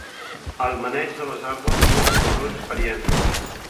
El maneig de les armes vol sobretot experiència.